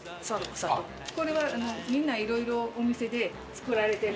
これはみんないろいろお店で作られてる。